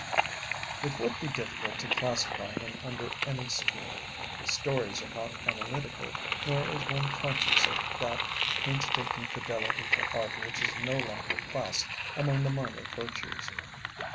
It would be difficult to classify him under any school. His stories are not analytical, nor is one conscious of that painstaking fidelity to art which is no longer classed among the minor virtues.